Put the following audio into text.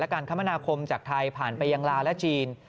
การคมนาคมจากไทยผ่านไปยังลาวและจีน